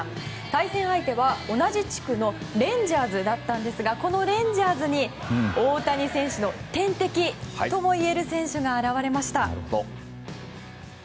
対戦相手は同じ地区のレンジャーズだったんですがこのレンジャーズに大谷選手の天敵ともいえる選手が現れました。